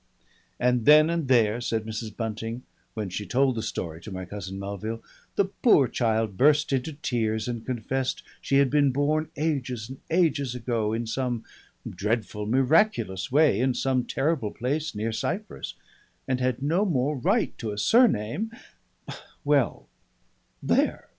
"And then and there," said Mrs. Bunting, when she told the story to my cousin Melville, "the poor child burst into tears and confessed she had been born ages and ages ago in some dreadful miraculous way in some terrible place near Cyprus, and had no more right to a surname Well, there